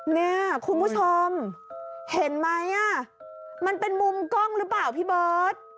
เนี่ยคุณผู้ชมเห็นไหมอ่ะมันเป็นมุมกล้องหรือเปล่าพี่เบิร์ต